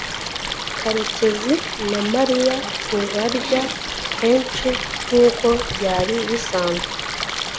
karekezi na mariya ntibarya kenshi nkuko byari bisanzwe